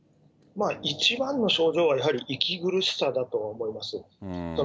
一番の症状はやはり息苦しさだと思います。